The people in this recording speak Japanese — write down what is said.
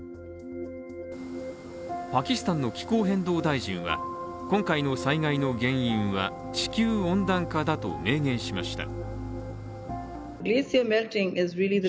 パキスタンの気候変動大臣は今回の災害の原因は地球温暖化だと明言しました。